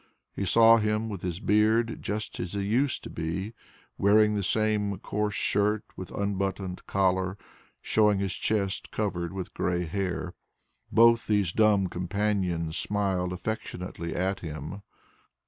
He saw him with his beard just as he used to be, wearing the same coarse shirt with unbuttoned collar, showing his chest covered with grey hair. Both these dumb companions smiled affectionately at him.